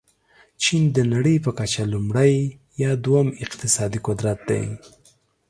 چین د نړۍ په کچه لومړی یا دوم اقتصادي قدرت دی.